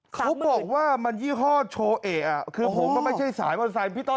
เขาบอกว่ามันยี่ห้อโชว์เอะคือผมก็ไม่ใช่สายมอเซพี่ต้น